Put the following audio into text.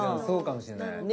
そうかもしれない。